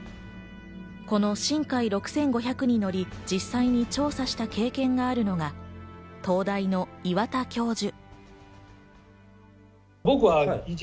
この「しんかい６５００」に乗り、実際に調査した経験のあるのが東大の岩田教授。